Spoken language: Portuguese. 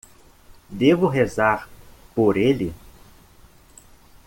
Devo rezar por ele?